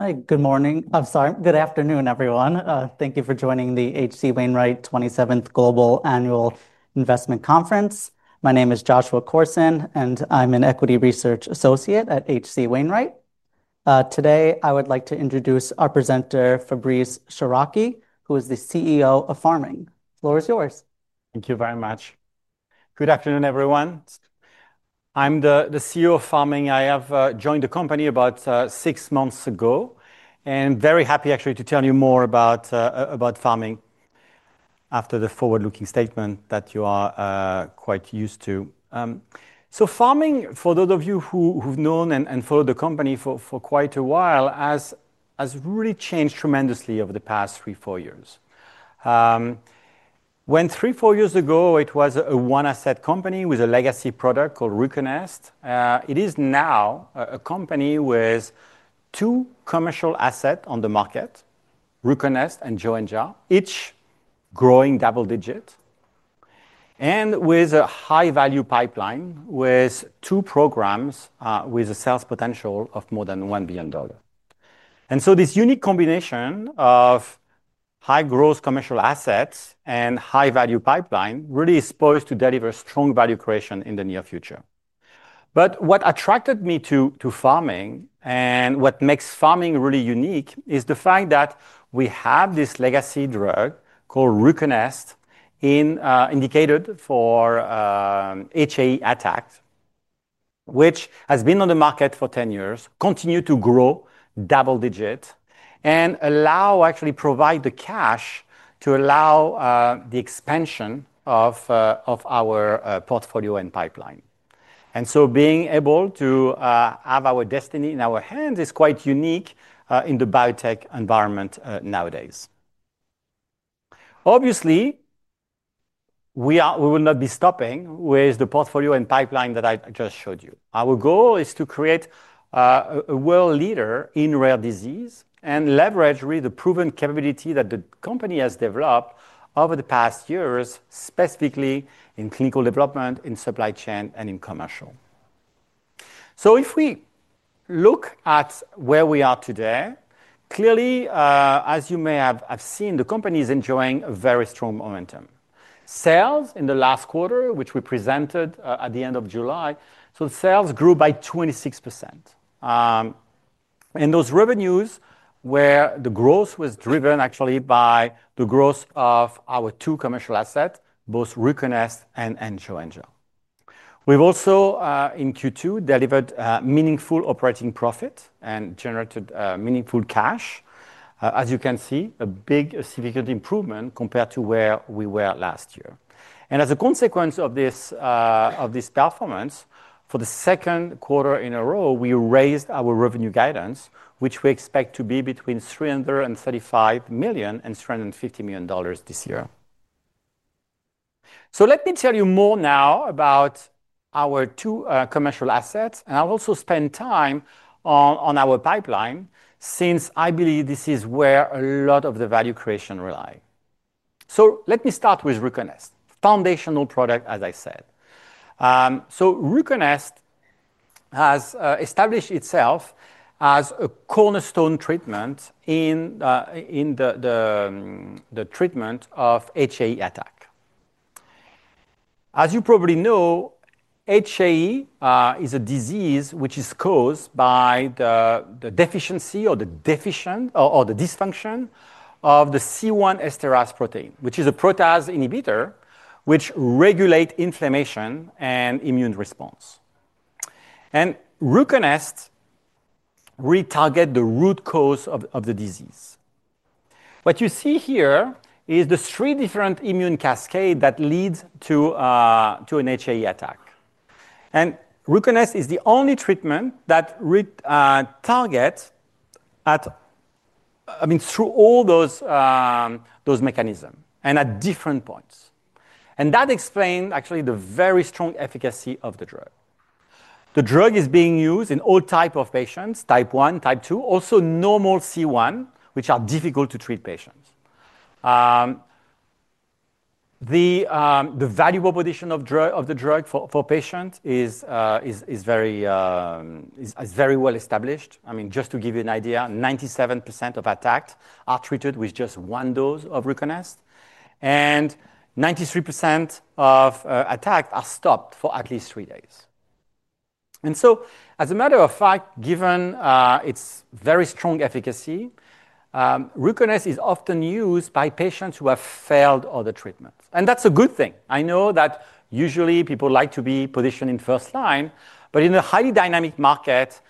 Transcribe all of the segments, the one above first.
Good afternoon, everyone. Thank you for joining the HC Wainwright 27th Global Annual Investment Conference. My name is Joshua Coarsen, and I'm an Equity Research Associate at HC Wainwright. Today, I would like to introduce our presenter, Fabrice Chouraqui, who is the CEO of Pharming. The floor is yours. Thank you very much. Good afternoon, everyone. I'm the CEO of Pharming. I have joined the company about six months ago and am very happy, actually, to tell you more about Pharming after the forward-looking statement that you are quite used to. Pharming, for those of you who've known and followed the company for quite a while, has really changed tremendously over the past three, four years. When three, four years ago, it was a one-asset company with a legacy product called RUCONEST. It is now a company with two commercial assets on the market, RUCONEST and Joenja, each growing double-digit, and with a high-value pipeline with two programs with a sales potential of more than $1 billion. This unique combination of high-growth commercial assets and a high-value pipeline really is supposed to deliver strong value creation in the near future. What attracted me to Pharming and what makes Pharming really unique is the fact that we have this legacy drug called RUCONEST indicated for hereditary angioedema attacks, which has been on the market for 10 years, continues to grow double-digit, and actually provides the cash to allow the expansion of our portfolio and pipeline. Being able to have our destiny in our hands is quite unique in the biotech environment nowadays. Obviously, we will not be stopping with the portfolio and pipeline that I just showed you. Our goal is to create a world leader in rare disease and leverage really the proven capability that the company has developed over the past years, specifically in clinical development, in supply chain, and in commercial. If we look at where we are today, clearly, as you may have seen, the company is enjoying a very strong momentum. Sales in the last quarter, which we presented at the end of July, grew by 26%. Those revenues, where the growth was driven actually by the growth of our two commercial assets, both RUCONEST and Joenja. We've also, in Q2, delivered meaningful operating profit and generated meaningful cash. As you can see, a big significant improvement compared to where we were last year. As a consequence of this performance, for the second quarter in a row, we raised our revenue guidance, which we expect to be between $335 million and $350 million this year. Let me tell you more now about our two commercial assets, and I'll also spend time on our pipeline since I believe this is where a lot of the value creation relies. Let me start with RUCONEST, the foundational product, as I said. RUCONEST has established itself as a cornerstone treatment in the treatment of hereditary angioedema attacks. As you probably know, hereditary angioedema is a disease which is caused by the deficiency or the dysfunction of the C1 esterase protein, which is a protease inhibitor that regulates inflammation and immune response. RUCONEST targets the root cause of the disease. What you see here is the three different immune cascades that lead to a hereditary angioedema attack. RUCONEST is the only treatment that targets through all those mechanisms and at different points. That explains the very strong efficacy of the drug. The drug is being used in all types of patients, type 1, type 2, also normal C1, which are difficult-to-treat patients. The valuable position of the drug for patients is very well established. Just to give you an idea, 97% of attacks are treated with just one dose of RUCONEST, and 93% of attacks are stopped for at least three days. As a matter of fact, given its very strong efficacy, RUCONEST is often used by patients who have failed other treatments. That's a good thing. I know that usually people like to be positioned in first line, but in a highly dynamic market,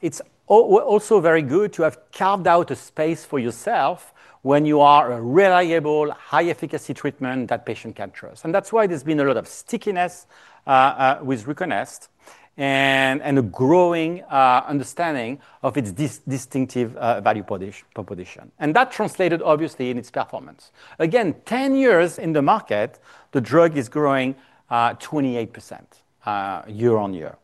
it's also very good to have carved out a space for yourself when you are a reliable, high-efficacy treatment that patients can trust. That's why there's been a lot of stickiness with RUCONEST and a growing understanding of its distinctive value proposition. That translated, obviously, in its performance. Again, 10 years in the market, the drug is growing 28% year on year.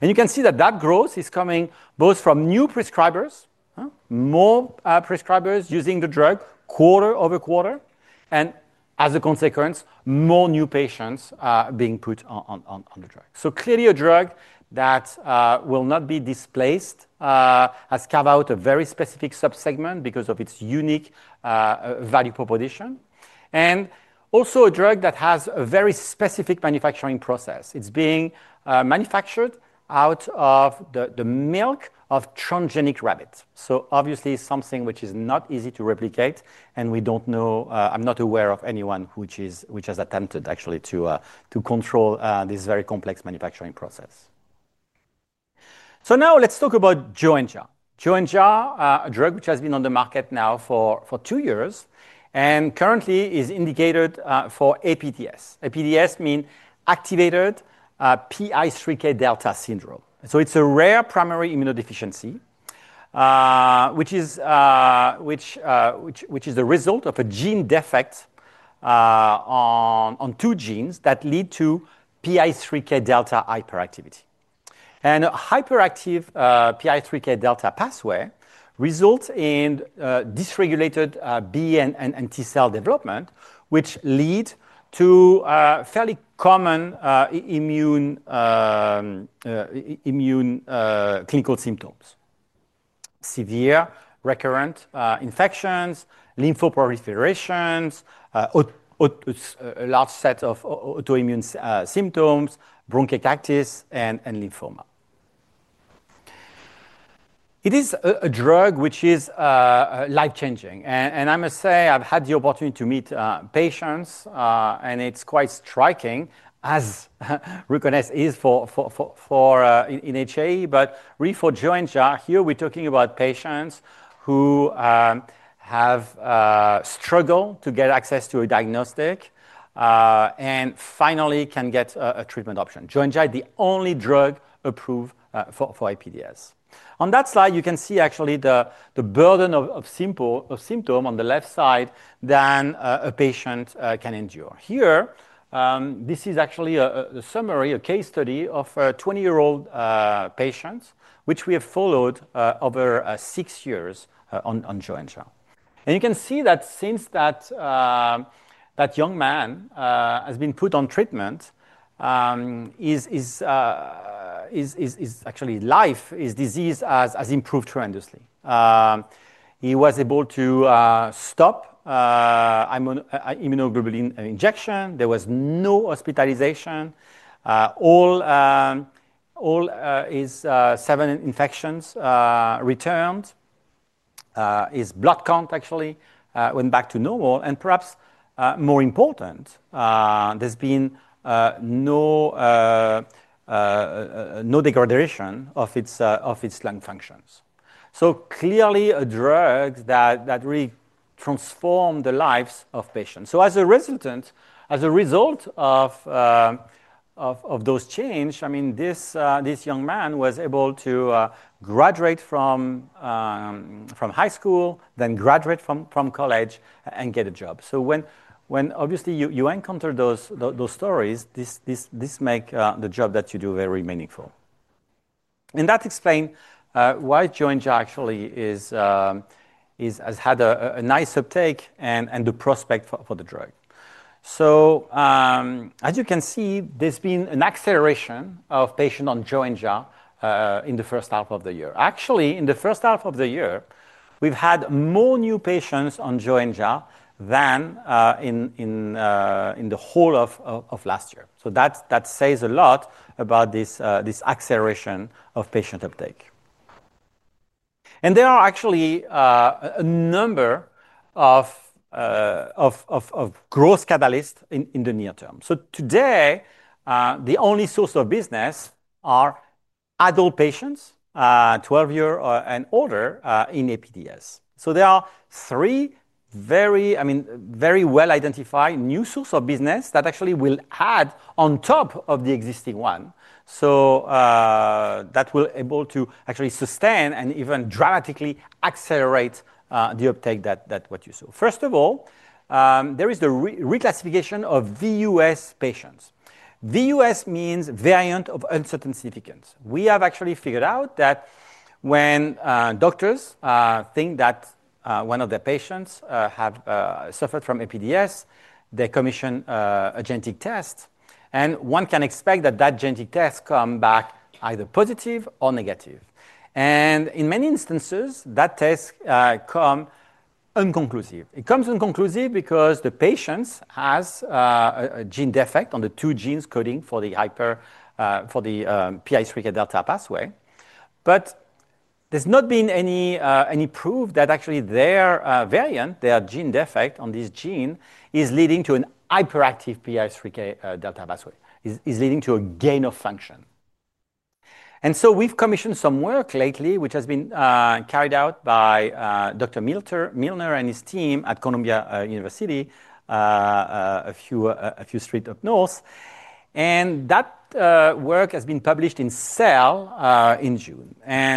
You can see that growth is coming both from new prescribers, more prescribers using the drug, quarter over quarter, and as a consequence, more new patients being put on the drug. Clearly, a drug that will not be displaced, has carved out a very specific subsegment because of its unique value proposition, and also a drug that has a very specific manufacturing process. It's being manufactured out of the milk of transgenic rabbits. Obviously, something which is not easy to replicate, and I'm not aware of anyone who has attempted to control this very complex manufacturing process. Now let's talk about Joenja. Joenja, a drug which has been on the market now for two years and currently is indicated for APDS. APDS means activated PI3K delta syndrome. It's a rare primary immunodeficiency which is the result of a gene defect on two genes that lead to PI3K delta hyperactivity. A hyperactive PI3K delta pathway results in dysregulated B and T cell development, which leads to fairly common immune clinical symptoms, severe recurrent infections, lymphoproliferation, a large set of autoimmune symptoms, bronchiectasis, and lymphoma. It is a drug which is life-changing. I must say, I've had the opportunity to meet patients, and it's quite striking as RUCONEST is for hereditary angioedema, but really for Joenja. Here, we're talking about patients who have struggled to get access to a diagnostic and finally can get a treatment option. Joenja is the only drug approved for activated PI3K delta syndrome (APDS). On that slide, you can see actually the burden of symptoms on the left side that a patient can endure. This is actually a summary, a case study of a 20-year-old patient which we have followed over six years on Joenja. You can see that since that young man has been put on treatment, his life, his disease has improved tremendously. He was able to stop immunoglobulin injection. There was no hospitalization. All his seven infections returned. His blood count actually went back to normal. Perhaps more important, there's been no degradation of his lung functions. Clearly, a drug that really transformed the lives of patients. As a result of those changes, this young man was able to graduate from high school, then graduate from college, and get a job. When you encounter those stories, this makes the job that you do very meaningful. That explains why Joenja actually has had a nice uptake and the prospect for the drug. As you can see, there's been an acceleration of patients on Joenja in the first half of the year. In the first half of the year, we've had more new patients on Joenja than in the whole of last year. That says a lot about this acceleration of patient uptake. There are actually a number of growth catalysts in the near term. Today, the only source of business are adult patients, 12 years and older, in APDS. There are three very, very well-identified new sources of business that actually will add on top of the existing one. That will be able to actually sustain and even dramatically accelerate the uptake that you saw. First of all, there is the reclassification of VUS patients. VUS means variant of uncertain significance. We have actually figured out that when doctors think that one of their patients has suffered from APDS, they commission a genetic test, and one can expect that that genetic test comes back either positive or negative. In many instances, that test comes inconclusive. It comes inconclusive because the patient has a gene defect on the two genes coding for the PI3K delta pathway, but there's not been any proof that actually their variant, their gene defect on this gene, is leading to a hyperactive PI3K delta pathway, is leading to a gain of function. We've commissioned some work lately, which has been carried out by Dr. Milner and his team at Columbia University, a few streets up north. That work has been published in Cell in June.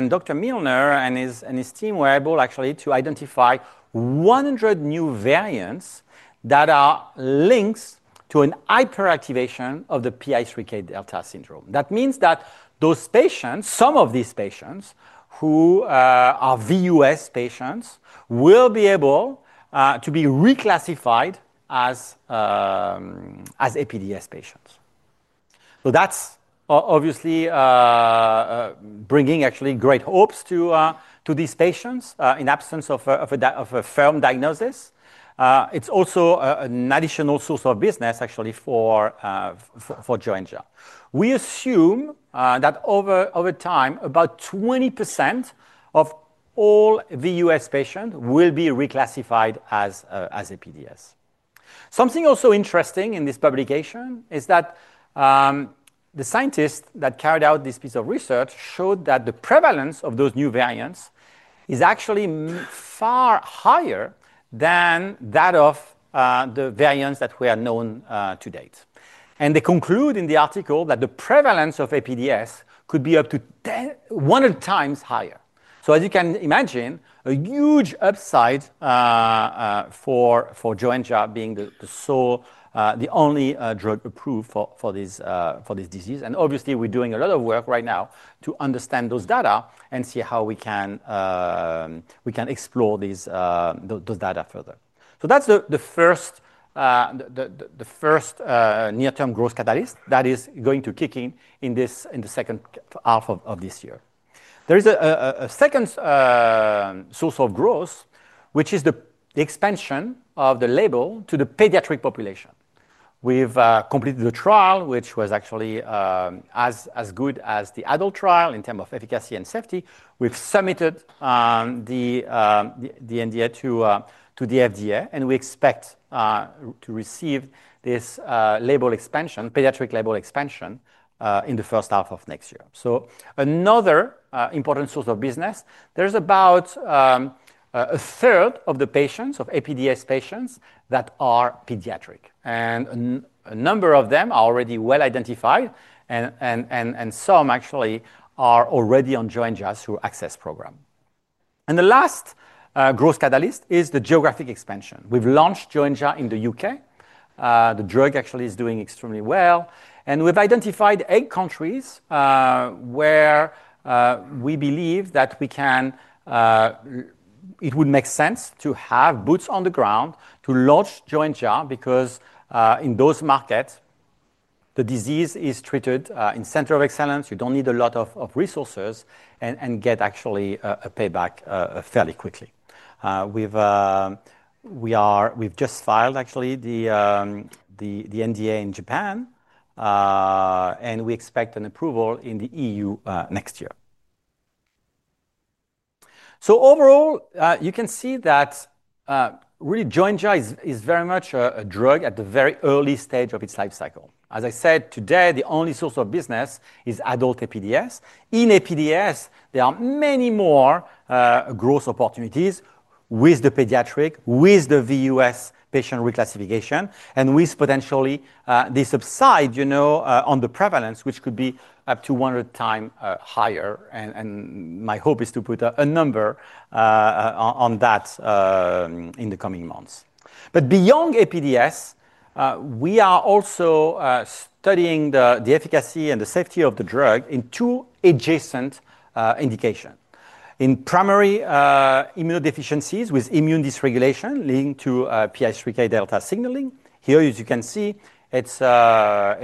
Dr. Milner and his team were able actually to identify 100 new variants that are linked to a hyperactivation of the PI3K delta syndrome. That means that those patients, some of these patients who are VUS patients, will be able to be reclassified as APDS patients. That is obviously bringing actually great hopes to these patients in the absence of a firm diagnosis. It's also an additional source of business actually for Joenja. We assume that over time, about 20% of all VUS patients will be reclassified as APDS. Something also interesting in this publication is that the scientists that carried out this piece of research showed that the prevalence of those new variants is actually far higher than that of the variants that we have known to date. They conclude in the article that the prevalence of APDS could be up to 100 times higher. As you can imagine, a huge upside for Joenja being the only drug approved for this disease. Obviously, we're doing a lot of work right now to understand those data and see how we can explore those data further. That's the first near-term growth catalyst that is going to kick in in the second half of this year. There is a second source of growth, which is the expansion of the label to the pediatric population. We've completed the trial, which was actually as good as the adult trial in terms of efficacy and safety. We've submitted the NDA to the FDA, and we expect to receive this label expansion, pediatric label expansion, in the first half of next year. Another important source of business, there's about a third of the patients, of APDS patients, that are pediatric. A number of them are already well identified, and some actually are already on Joenja through the ACCESS program. The last growth catalyst is the geographic expansion. We've launched Joenja in the UK. The drug actually is doing extremely well. We've identified eight countries where we believe that it would make sense to have boots on the ground to launch Joenja because in those markets, the disease is treated in center of excellence. You don't need a lot of resources and get actually a payback fairly quickly. We've just filed the NDA in Japan, and we expect an approval in the EU next year. Overall, you can see that really Joenja is very much a drug at the very early stage of its life cycle. As I said, today, the only source of business is adult APDS. In APDS, there are many more growth opportunities with the pediatric, with the VUS patient reclassification, and with potentially this upside on the prevalence, which could be up to 100 times higher. My hope is to put a number on that in the coming months. Beyond APDS, we are also studying the efficacy and the safety of the drug in two adjacent indications. In primary immunodeficiencies with immune dysregulation leading to PI3K delta signaling, it's a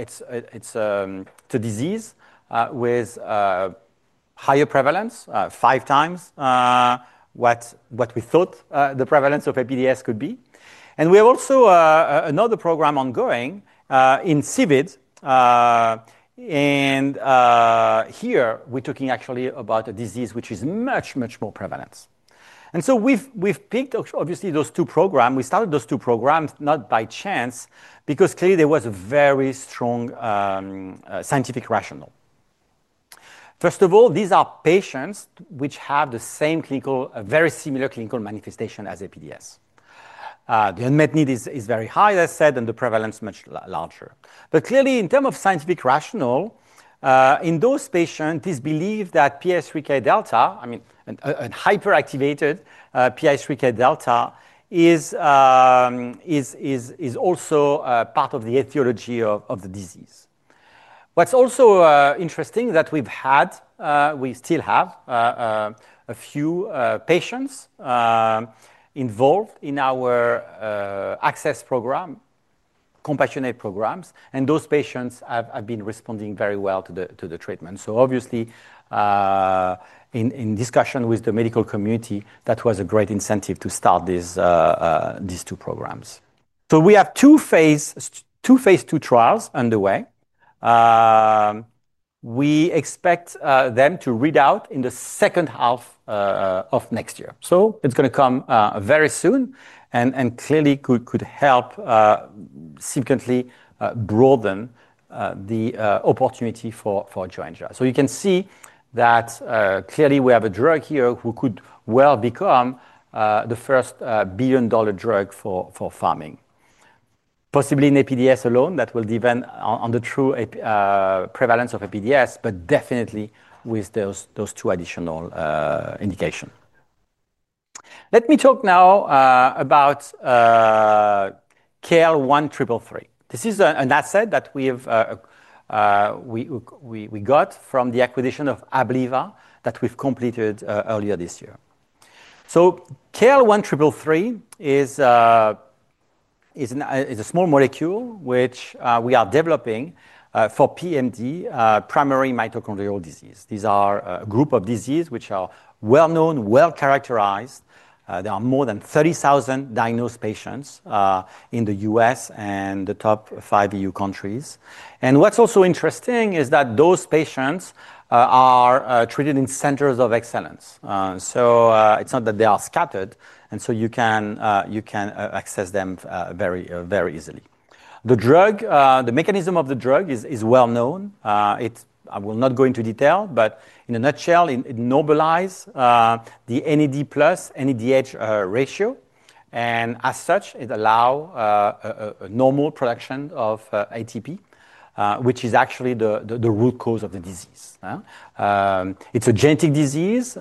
disease with higher prevalence, five times what we thought the prevalence of APDS could be. We have also another program ongoing in SIBD, and here, we're talking about a disease which is much, much more prevalent. We've picked those two programs. We started those two programs not by chance because clearly there was a very strong scientific rationale. First of all, these are patients which have the same clinical, very similar clinical manifestation as APDS. The unmet need is very high, as I said, and the prevalence is much larger. Clearly, in terms of scientific rationale, in those patients, it is believed that PI3K delta, a hyperactivated PI3K delta, is also part of the etiology of the disease. What's also interesting is that we've had, we still have a few patients involved in our ACCESS program, compassionate programs, and those patients have been responding very well to the treatment. Obviously, in discussion with the medical community, that was a great incentive to start these two programs. We have two Phase 2 trials underway. We expect them to read out in the second half of next year. It's going to come very soon and clearly could help significantly broaden the opportunity for Joenja. You can see that clearly we have a drug here who could well become the first billion-dollar drug for Pharming. Possibly in APDS alone, that will depend on the true prevalence of APDS, but definitely with those two additional indications. Let me talk now about KL1333. This is an asset that we got from the acquisition of Ableva that we've completed earlier this year. KL1333 is a small molecule which we are developing for primary mitochondrial disease. These are a group of diseases which are well-known, well-characterized. There are more than 30,000 diagnosed patients in the U.S. and the top five EU countries. What's also interesting is that those patients are treated in centers of excellence. It's not that they are scattered, and you can access them very, very easily. The mechanism of the drug is well-known. I will not go into detail, but in a nutshell, it normalizes the NAD+/NADH ratio. As such, it allows a normal production of ATP, which is actually the root cause of the disease. It's a genetic disease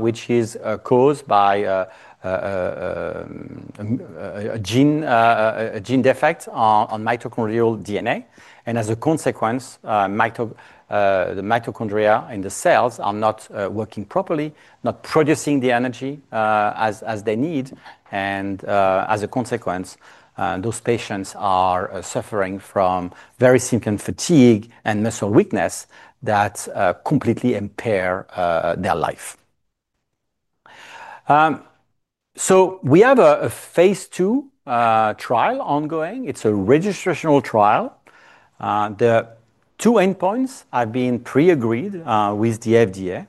which is caused by a gene defect on mitochondrial DNA. As a consequence, the mitochondria in the cells are not working properly, not producing the energy as they need. As a consequence, those patients are suffering from very significant fatigue and muscle weakness that completely impair their life. We have a Phase 2 trial ongoing. It's a registrational trial. The two endpoints have been pre-agreed with the FDA.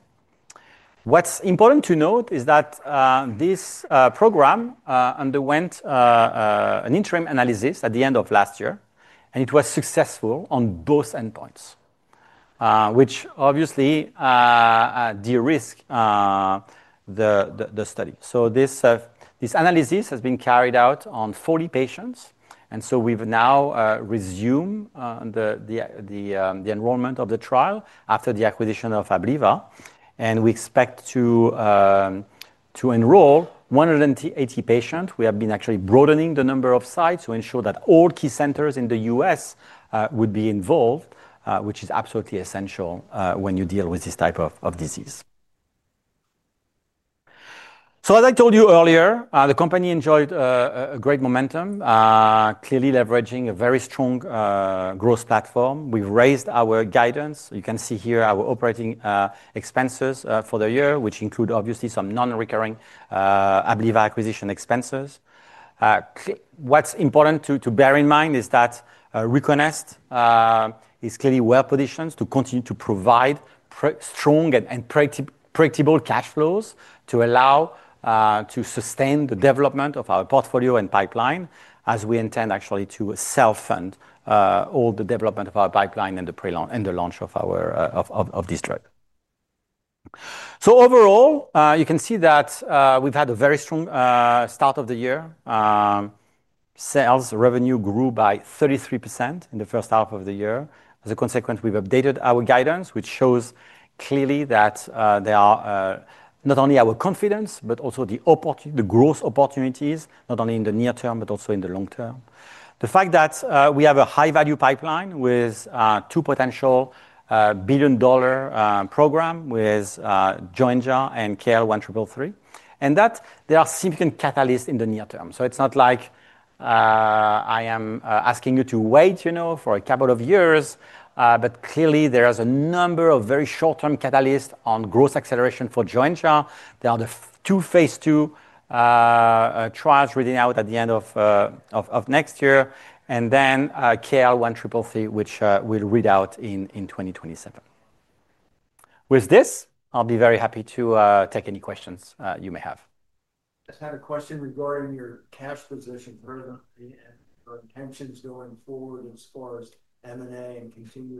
What's important to note is that this program underwent an interim analysis at the end of last year, and it was successful on both endpoints, which obviously de-risked the study. This analysis has been carried out on 40 patients. We've now resumed the enrollment of the trial after the acquisition of Ableva. We expect to enroll 180 patients. We have been actually broadening the number of sites to ensure that all key centers in the U.S. would be involved, which is absolutely essential when you deal with this type of disease. As I told you earlier, the company enjoyed a great momentum, clearly leveraging a very strong growth platform. We've raised our guidance. You can see here our operating expenses for the year, which include obviously some non-recurring Ableva acquisition expenses. What's important to bear in mind is that RUCONEST is clearly well-positioned to continue to provide strong and predictable cash flows to allow to sustain the development of our portfolio and pipeline, as we intend actually to self-fund all the development of our pipeline and the launch of this drug. Overall, you can see that we've had a very strong start of the year. Sales revenue grew by 33% in the first half of the year. As a consequence, we've updated our guidance, which shows clearly that there are not only our confidence, but also the growth opportunities, not only in the near term, but also in the long term. The fact that we have a high-value pipeline with two potential billion-dollar programs with Joenja and KL1333, and that there are significant catalysts in the near term. It's not like I am asking you to wait for a couple of years, but clearly, there are a number of very short-term catalysts on growth acceleration for Joenja. There are the two Phase 2 trials reading out at the end of next year, and then KL1333, which will read out in 2027. With this, I'll be very happy to take any questions you may have. I just had a question regarding your cash position for the company and your intentions going forward as far as M&A and continued.